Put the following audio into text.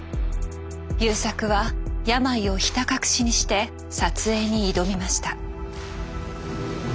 優作は病をひた隠しにして撮影に挑みました。